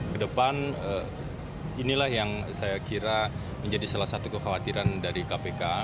kedepan inilah yang saya kira menjadi salah satu kekhawatiran dari kpk